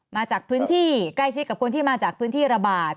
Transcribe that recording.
มาจากพื้นที่ใกล้ชิดกับคนที่มาจากพื้นที่ระบาด